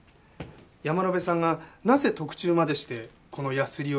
山野辺さんがなぜ特注までしてこのヤスリを作ったのか。